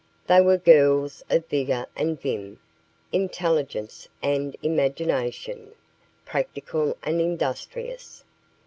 They were girls of vigor and vim, intelligence and imagination, practical and industrious.